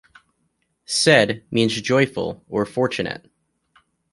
"Said" means "joyful" or "fortunate.